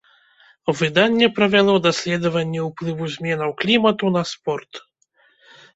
Выданне правяло даследаванне ўплыву зменаў клімату на спорт.